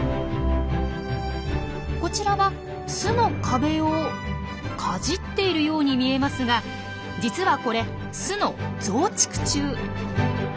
こちらは巣の壁をかじっているように見えますが実はこれ巣の増築中。